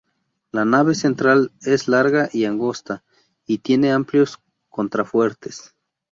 La nave central es larga y angosta y tiene amplios contrafuertes.